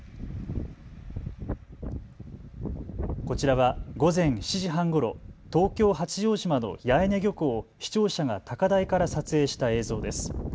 こちらは午前７時半ごろ、東京八丈島の八重根漁港を視聴者が高台から撮影した映像です。